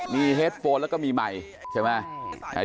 มีเฮดโฟนแล้วก็มีใหม่ใช่ไหม